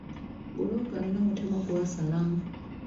Bbulooka alina omutemwa gw'asala.